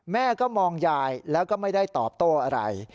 แม่ก็มองยายแล้วก็ไม่ได้ตอบโต้อะไร